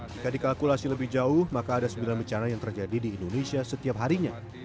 jika dikalkulasi lebih jauh maka ada sembilan bencana yang terjadi di indonesia setiap harinya